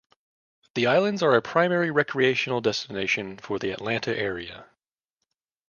The islands are a primary recreational destination for the Atlanta area.